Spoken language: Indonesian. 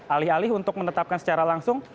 alih alih untuk menetapkan secara langsung